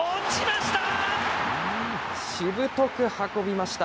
しぶとく運びました。